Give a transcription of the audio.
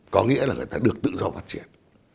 có nghĩa là người ta được tự do phát triển